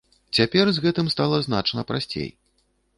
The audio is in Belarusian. Цяпер з гэтым стала значна прасцей.